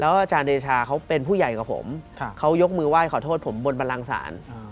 อาจารย์เดชาเขาเป็นผู้ใหญ่กว่าผมเขายกมือไหว้ขอโทษผมบนบรังศาล